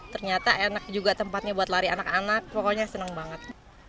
ternyata enak juga tempatnya buat lari anak anak pokoknya senang banget